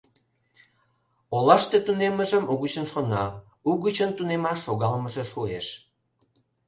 Олаште тунеммыжым угычын шона, угычын тунемаш шогалмыже шуэш.